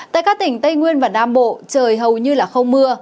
tại các tỉnh tây nguyên và nam bộ trời hầu như không mưa